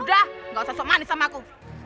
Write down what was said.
udah gak usah sok manis sama aku